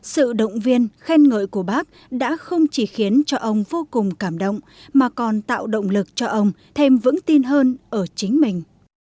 sự động viên khen ngợi của bác đã không chỉ khiến cho ông vô cùng cảm động mà còn tạo động lực cho ông thêm vững tin hơn ở chính mình